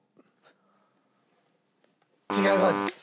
違います！